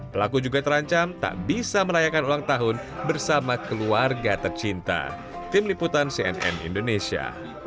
pelaku juga terancam tak bisa merayakan ulang tahun bersama keluarga tercinta